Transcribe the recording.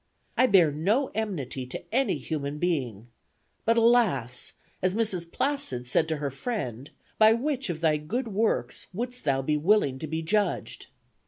I bear no enmity to any human being; but, alas! as Mrs. Placid said to her friend, by which of thy good works wouldst thou be willing to be judged?